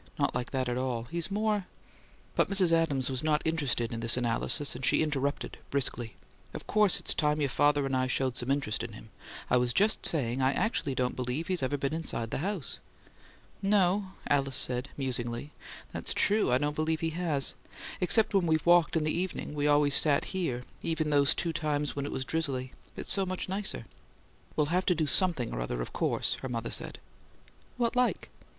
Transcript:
Not like that at all. He's more " But Mrs. Adams was not interested in this analysis, and she interrupted briskly, "Of course it's time your father and I showed some interest in him. I was just saying I actually don't believe he's ever been inside the house." "No," Alice said, musingly; "that's true: I don't believe he has. Except when we've walked in the evening we've always sat out here, even those two times when it was drizzly. It's so much nicer." "We'll have to do SOMETHING or other, of course," her mother said. "What like?"